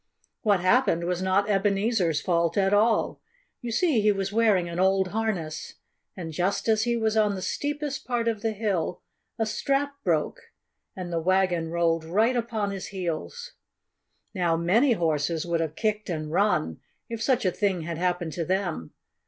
What happened was not Ebenezer's fault at all. You see, he was wearing an old harness. And just as he was on the steepest part of the hill a strap broke and the wagon rolled right upon his heels. Now, many horses would have kicked and run, if such a thing had happened to them.